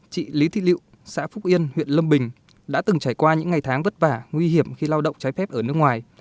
chị lý thị liệu xã phúc yên huyện lâm bình đã từng trải qua những ngày tháng vất vả nguy hiểm khi lao động trái phép ở nước ngoài